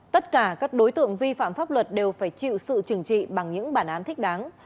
tất cả các đối tượng vi phạm pháp luật đều phải chịu sự trừng trị bằng những bản án thích đáng